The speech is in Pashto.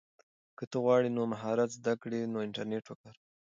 که ته غواړې نوی مهارت زده کړې نو انټرنیټ وکاروه.